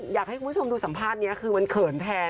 อยากให้คุณผู้ชมดูสัมภาษณ์นี้คือมันเขินแทน